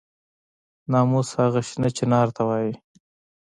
ناموس هغه شنه چنار ته وایي.